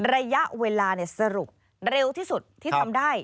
ระยะเวลาสรุปเร็วที่สุดที่ทำได้